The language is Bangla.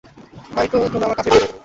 তাই তো তোমরা আমার কাছে এসেছ।